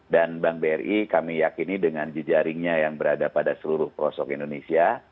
dan bank bri kami yakini dengan jejaringnya yang berada pada seluruh pelosok indonesia